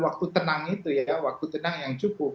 waktu tenang itu ya waktu tenang yang cukup